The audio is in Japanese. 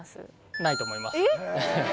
ないと思います